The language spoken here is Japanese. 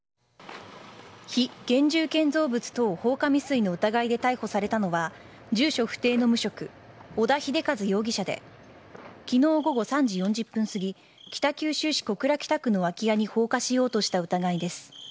非現住建造物等放火未遂の疑いで逮捕されたのは住所不定の無職織田秀一容疑者で昨日午後３時４０分すぎ北九州市小倉北区の空き家に放火しようとした疑いです。